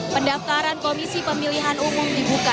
pendaftaran komisi pemilihan umum dibuka